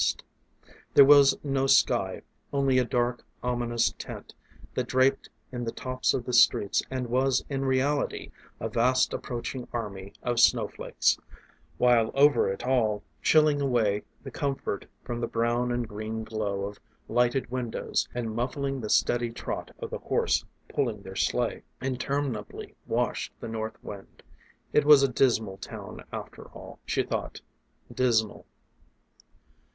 There was no sky only a dark, ominous tent that draped in the tops of the streets and was in reality a vast approaching army of snowflakes while over it all, chilling away the comfort from the brown and green glow of lighted windows and muffling the steady trot of the horse pulling their sleigh, interminably washed the north wind. It was a dismal town after all, she though, dismal.